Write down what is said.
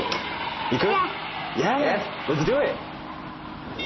いく？